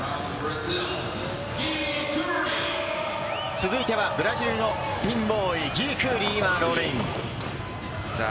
続いてはブラジルのスピンボーイ、ギー・クーリ、ロールイン。